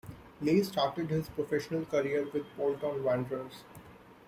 Lee started his professional career with Bolton Wanderers.